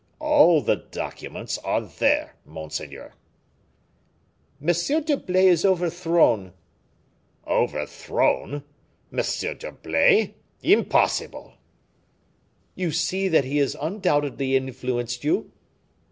"All the documents are there, monseigneur." "M. d'Herblay is overthrown." "Overthrown? M. d'Herblay! Impossible!" "You see that he has undoubtedly influenced you."